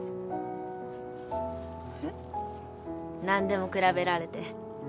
何でも比べられて。